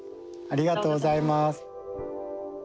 ありがとうございます。